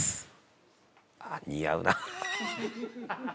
「似合うなあ」